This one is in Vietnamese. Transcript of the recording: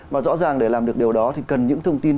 và rõ ràng để làm được điều đó thì cần những thông tin